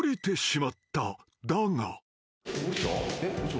えっ？嘘。